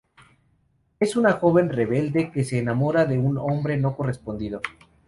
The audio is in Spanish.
Es una joven rebelde que se enamora de un hombre no correspondido.